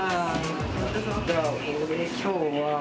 今日は。